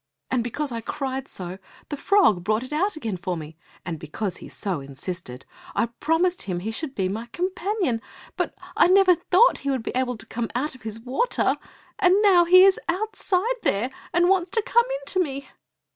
And because I cried so, the frog brought it out again for me, and because he so insisted, I promised him he should be my companion, but I never thought he would be able to come out of his water! And now he is outside there, and wants to come in to me."